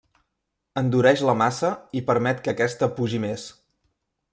Endureix la massa i permet que aquesta pugi més.